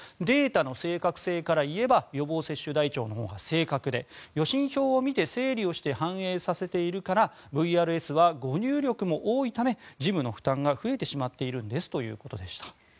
データの正確性から言えば予防接種台帳のほうが正確で予診票を見て整理をして反映させているからＶＲＳは誤入力も多いため事務の負担が増えてしまっているんですということでした。